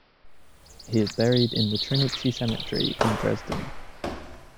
He is buried in the Trinity Cemetery in Dresden.